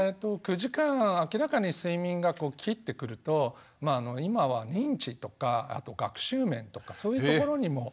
９時間明らかに睡眠がこう切ってくるとまああの今は認知とかあと学習面とかそういうところにも。